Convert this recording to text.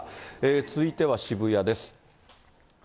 続いては渋谷です。